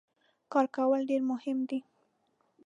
کار کول ډیر مهم دي.